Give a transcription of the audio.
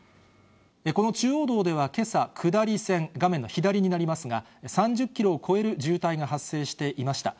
この中央道ではけさ、下り線、画面の左になりますが、３０キロを超える渋滞が発生していました。